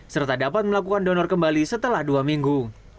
serta dapat melakukan donor kembali setelah dua minggu